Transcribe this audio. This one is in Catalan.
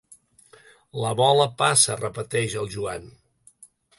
La bola passa —repeteix el Joan.